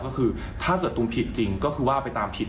ถ้าเกิดตุ้มผิดจริงก็คือว่าไปตามผิด